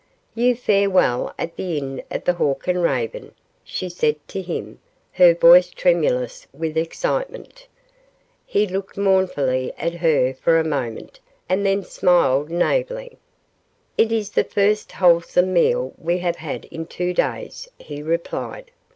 "You fare well at the Inn of the Hawk and Raven," she said to him, her voice tremulous with excitement. He looked mournfully at her for a moment and then smiled naively. "It is the first wholesome meal we have had in two days," he replied.